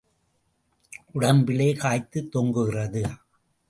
உடம்பிலே காய்த்துத் தொங்குகிறதா?